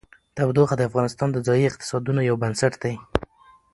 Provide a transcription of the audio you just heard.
تودوخه د افغانستان د ځایي اقتصادونو یو بنسټ دی.